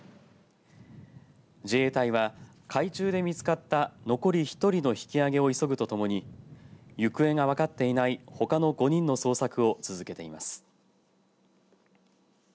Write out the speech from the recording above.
自衛隊は海中で見つかった残り１人の引き揚げを急ぐとともに行方が分かっていないほかの５人の捜索を続けています。